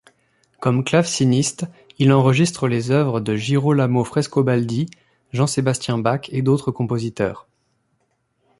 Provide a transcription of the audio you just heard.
Comme claveciniste il enregistre les œuvres de Girolamo Frescobaldi, Jean-Sébastien Bach et d’autres compositeurs.